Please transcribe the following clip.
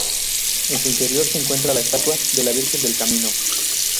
En su interior se encuentra la estatua de la Virgen del Camino.